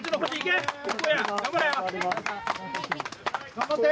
頑張って。